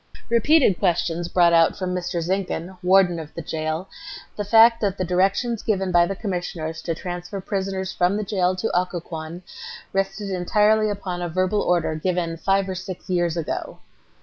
Repeated questions brought out from Mr. Zinkhan, Warden of the Jail, the fact that the directions given by the Commissioners to transfer prisoners from the jail to Occoquan rested entirely upon a verbal order given "five or six years ago."